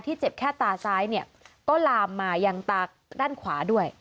เจ็บแค่ตาซ้ายเนี่ยก็ลามมายังตาด้านขวาด้วย